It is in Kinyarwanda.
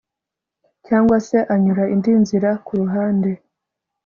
cyangwa se anyura indi nzira kuruhande